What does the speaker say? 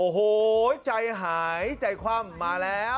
โอ้โหใจหายใจคว่ำมาแล้ว